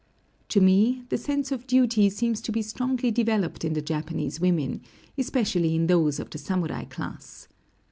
To me, the sense of duty seems to be strongly developed in the Japanese women, especially in those of the samurai class.